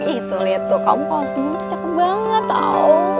itu liat tuh kamu kalo senyum tuh cakep banget tau